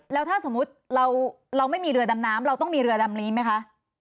แล้วถ้าสมมุติเราไม่มีเรือดำน้ำเราต้องมีเรือดำนี้ไหมคะ